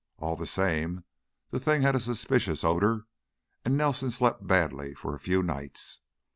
All the same, the thing had a suspicious odor, and Nelson slept badly for a few nights.